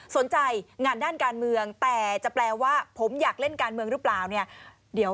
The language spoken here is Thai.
สนใจงานด้านการเมืองแต่จะแปลว่าผมอยากเล่นการเมืองหรือเปล่าเนี่ยเดี๋ยว